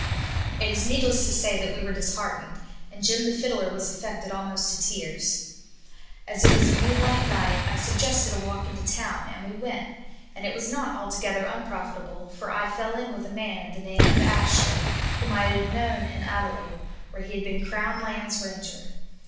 It is needless to say that we were disheartened, and Jim the Fiddler was affected almost to tears. As it was a moonlight night, I suggested a walk into town, and we went; and it was not altogether unprofitable, for I fell in with a man of the name of Ashton, whom I had known in Adelaide, where he had been Crown Lands Ranger.